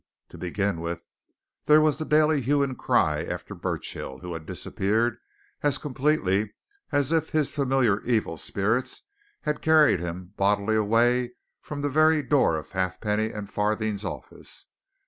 To begin with, there was the daily hue and cry after Burchill, who had disappeared as completely as if his familiar evil spirits had carried him bodily away from the very door of Halfpenny and Farthing's office.